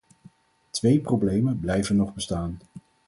Twee problemen blijven nog bestaan.